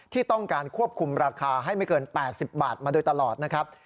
ที่ต้องการควบคุมราคาให้ไม่เกิน๘๐บาทมาโดยตลอดนะครับ